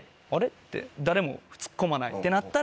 って誰もツッコまないってなったら。